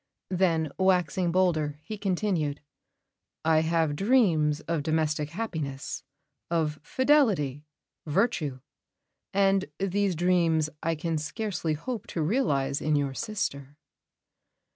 Then, waxing bolder, he continued: "I have dreams of domestic happiness, of fidelity, virtue; and these dreams I can scarcely hope to realise in your sister."